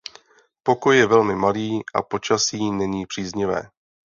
Pokoj je velmi malý a počasí není příznivé.